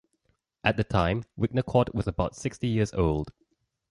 At the time Wignacourt was about sixty years old.